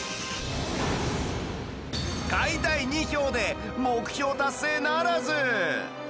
「買いたい」２票で目標達成ならず